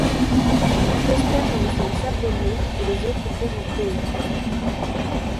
Il prospère dans les sols sablonneux et les autres terrains pauvres.